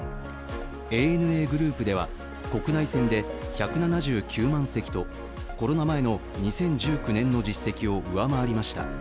ＡＮＡグループでは、国内線で１７９万席とコロナ前の２０１９年の実績を上回りました。